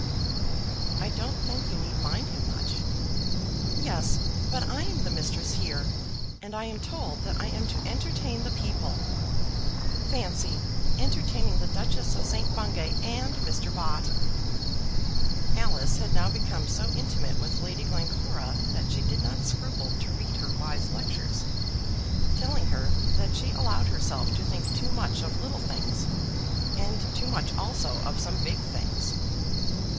"I don't think you need mind him much." "Yes; but I am the mistress here, and am told that I am to entertain the people. Fancy entertaining the Duchess of St. Bungay and Mr. Bott!" Alice had now become so intimate with Lady Glencora that she did not scruple to read her wise lectures, telling her that she allowed herself to think too much of little things, and too much also of some big things.